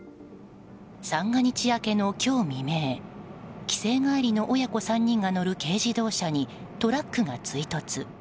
三が日明けの今日未明帰省帰りの親子３人が乗る軽自動車にトラックが追突。